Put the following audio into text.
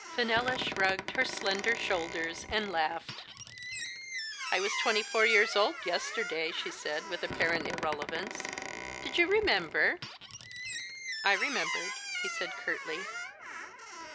Fenella shrugged her slender shoulders, and laughed. " I was twenty four years old yester day," she said, with apparent irrelevance ;" did you remember ?"" I remembered," he said curtly.